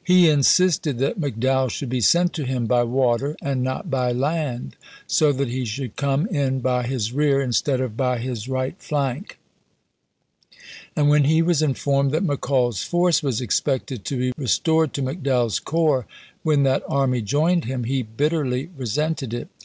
He in sisted that McDowell should be sent to him by water, and not by land, so that he should come in by his rear instead of by his right flank ; and when 416 ABEAHAM LINCOLN ch. XXIII. he was informed that McCall's force was expected to be restored to McDowell's corps, when that army joined him, he bitterly resented it.